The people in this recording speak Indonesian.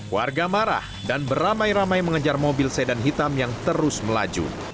warga marah dan beramai ramai mengejar mobil sedan hitam yang terus melaju